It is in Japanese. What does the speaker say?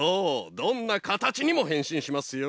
どんなかたちにもへんしんしますよ。